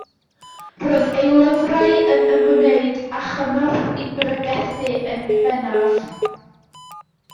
Roedd ei lyfrau yn ymwneud â chymorth i bregethu yn bennaf.